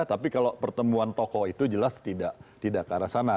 tapi kalau pertemuan tokoh itu jelas tidak ke arah sana